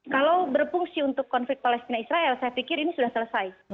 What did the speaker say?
kalau berfungsi untuk konflik palestina israel saya pikir ini sudah selesai